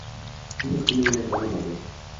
Ella tiene una hermana mayor.